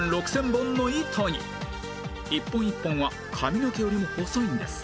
１本１本は髪の毛よりも細いんです